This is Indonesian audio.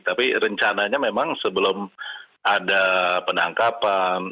tapi rencananya memang sebelum ada penangkapan